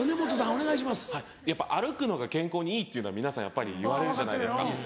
はいやっぱ歩くのが健康にいいっていうのは皆さん言われるじゃないですか。